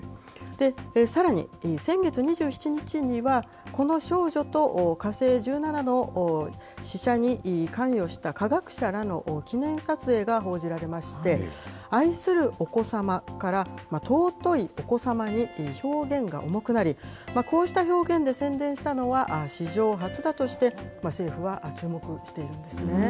さらに、先月２７日には、この少女と、火星１７の試射に関与した科学者らの記念撮影が報じられまして、愛するお子様から尊いお子様に表現が重くなり、こうした表現で宣伝したのは史上初だとして、政府は注目しているんですね。